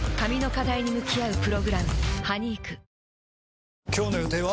続く今日の予定は？